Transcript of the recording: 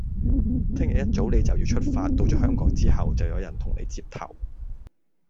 聽日一早你就要出發，到咗香港之後，就有人同你接頭